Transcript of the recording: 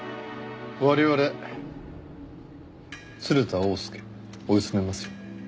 我々鶴田翁助追い詰めますよ。